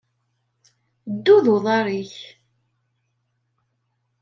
Ddu d uḍaṛ-ik!